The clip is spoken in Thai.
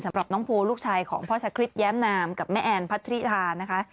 สำหรับน้องภูลูกชายของพ่อชะคริสแย้มนามกับแม่แอนพัทธิธานะคะ